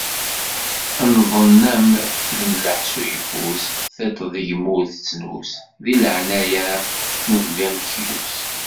Nnḍeɣ-am lemlaḥ s uyeffus, tiṭ deg-m ur tettnus, deg laɛnaya n nnbi amekyus.